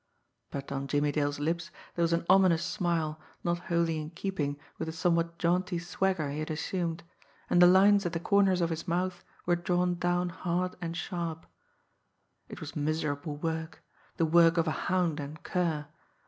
But on Jimmie Dale's lips there was an ominous smile not wholly in keeping with the somewhat jaunty swagger he had assumed, and the lines at the corners of his mouth were drawn down hard and sharp. It was miserable work, the work of a hound and cur!